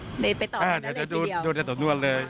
ได้หรือไปตอบไม่ได้เลยแต่ดูในสำนวนเลย